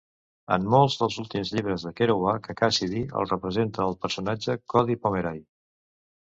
En molts dels últims llibres de Kerouac, a Cassady el representa el personatge Cody Pomeray.